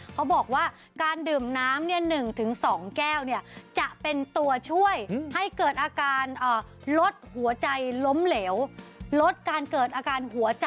เค้าบอกว่าการดื่มน้ำ๑๒แก้วจะเป็นตัวช่วยให้เกิดอาการลดหัวใจล้มเหลว